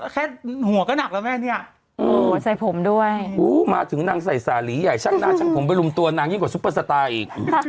แค่หัวก็หนักแล้วแม่เนี่ยใส่ผมด้วยมาถึงนางใส่สาหรี่ใหญ่ช่างหน้าช่างผมไปรุมตัวนางยิ่งกว่าซุปเปอร์สตาร์อีก